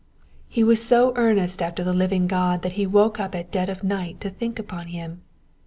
He was bo earnest after the living God that he woke up at dead of night to think upon him.